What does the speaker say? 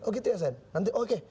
oh gitu ya saya nanti oke